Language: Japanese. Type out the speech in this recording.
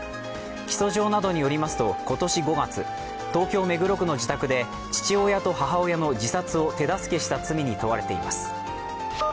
起訴状などによりますと今年５月東京・目黒区の自宅で父親と母親の自殺を手助けした罪に問われています。